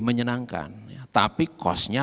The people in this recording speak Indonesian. menyenangkan tapi cost nya